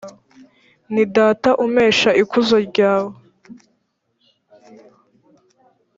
ni data umpesha ikuzo ryawe